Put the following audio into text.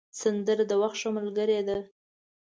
سندره د وخت ښه ملګرې ده